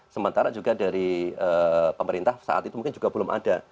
sementara juga dari pemerintah saat itu mungkin juga belum ada